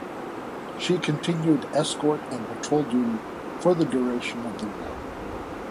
She continued escort and patrol duty for the duration of the war.